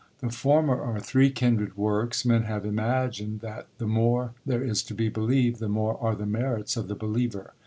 The former are three kindred works. Men have imagined that the more there is to be believed, the more are the merits of the believer.